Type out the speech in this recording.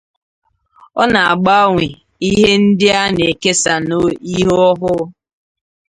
Ọ na-agbanwe ihe ndị a na-ekesa na ihe ọhụụ.